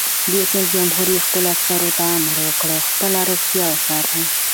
رئیس جمهور خپلو عسکرو ته امر وکړ؛ خپله روغتیا وساتئ!